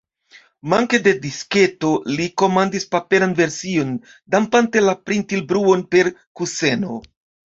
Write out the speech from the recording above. Manke de disketo, li komandis paperan version, dampante la printil-bruon per kuseno.